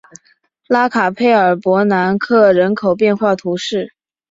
拉卡佩尔博南克人口变化图示